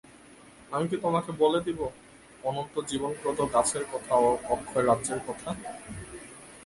আমি কি তোমাকে বলে দেব অনন্ত জীবনপ্রদ গাছের কথা ও অক্ষয় রাজ্যের কথা?